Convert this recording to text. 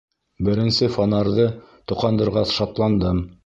Беренсе фонарҙы тоҡандырғас шатландым.